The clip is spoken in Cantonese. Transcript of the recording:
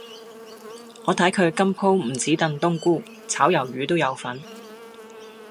我睇佢今鋪唔止燉冬菇，炒魷魚都有份